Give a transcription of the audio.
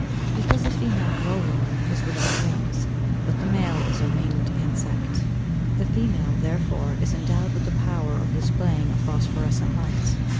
_ Because the female glow worm is without wings, but the male is a winged insect. The female, therefore, is endowed with the power of displaying a phosphorescent light.